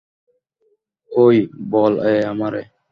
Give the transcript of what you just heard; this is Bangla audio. উই, বলে আমারে!